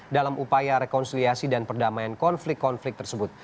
dalam upaya rekonsiliasi dan perdamaian konflik konflik tersebut